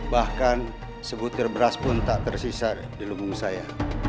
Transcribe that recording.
bahkan sebutir beras pun tak tersisa di lubung saya